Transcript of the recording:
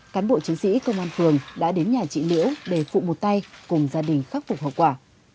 cán bộ chiến sĩ công an phường đã đến nhà chị liễu để phụ một tay cùng gia đình khắc phục hậu quả